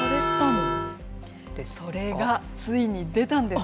それがついに出たんです。